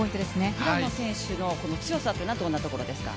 平野選手の強さはどんなところですか？